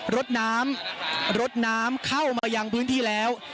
รถน้ำเข้ามายังพื้นที่แล้ว